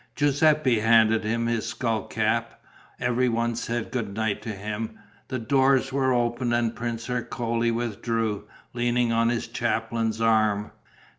Giuseppe handed him his skull cap; every one said good night to him; the doors were opened and Prince Ercole withdrew, leaning on his chaplain's arm.